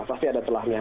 pasti ada celahnya